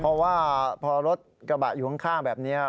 เพราะว่าพอรถกระบะอยู่ข้างแบบนี้